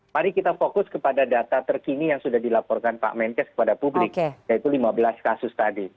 mari kita fokus kepada data terkini yang sudah dilaporkan pak menkes kepada publik yaitu lima belas kasus tadi